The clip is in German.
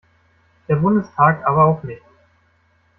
Der Bundestag aber auch nicht.